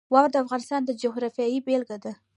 واوره د افغانستان د جغرافیې بېلګه ده.